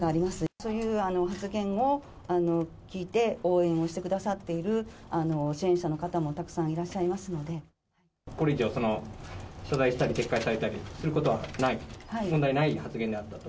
そういう発言を聞いて、応援してくださっている支援者の方もたくさんいらっしゃいますのこれ以上、謝罪したり、撤回されたりすることはない、問題ない発言であったと？